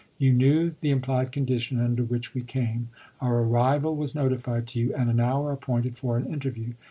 .. You knew the implied condition under which we came ; our arrival was notified to you and an hour appointed for an inter view.